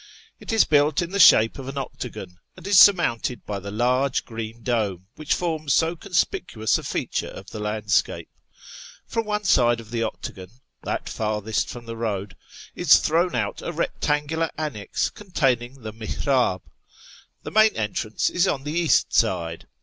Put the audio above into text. It is built in the shape of an octagon, and is surmounted by the large green dome which forms so conspicuous a feature of the landscape. From one side of the octagon (that farthest from the road) is thrown out a rectangular annexe containing the milirdh. The main entrance is on the east side.